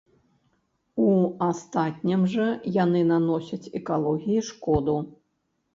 У астатнім жа яны наносяць экалогіі шкоду.